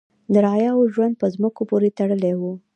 د رعایا ژوند په ځمکو پورې تړلی و.